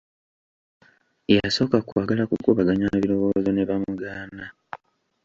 Yasooka kwagala kukubaganya birowoozo ne bamugaana.